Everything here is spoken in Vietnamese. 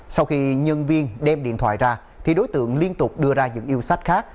sau khi nhân viên đem điện thoại ra thì đối tượng liên tục đưa ra những yêu sách khác